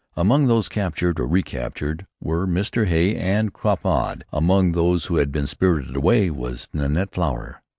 Among those captured, or recaptured, were Mr. Hay and Crapaud. Among those who had been spirited away was Nanette Flower.